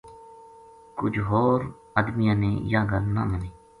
کُج ہور ادمیاں نے یاہ گل نہ مَنی